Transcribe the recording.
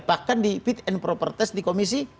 bahkan di fit and proper test di komisi